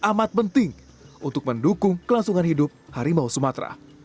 amat penting untuk mendukung kelangsungan hidup harimau sumatera